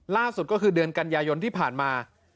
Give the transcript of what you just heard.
ล่าสุดก็คือเดือนกันยายนที่ผ่านมา